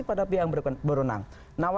pada pihak yang berenang nah